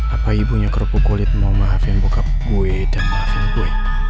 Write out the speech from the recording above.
apa ibunya kerupuk kulit mau maafin bokap gue dan maafin gue